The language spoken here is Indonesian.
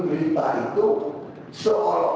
bagi berdua ya